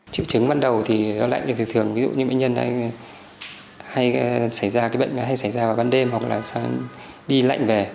chữ chứng ban đầu thì do lạnh thì thường thường ví dụ như bệnh nhân hay xảy ra cái bệnh này hay xảy ra vào ban đêm hoặc là đi lạnh về